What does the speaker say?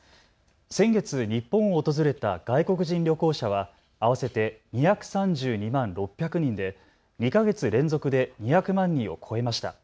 先月、日本を訪れた外国人旅行者は合わせて２３２万６００人で２か月連続で２００万人を超えました。